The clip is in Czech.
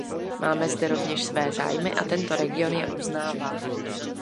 Máme zde rovněž své zájmy a tento region je uznává.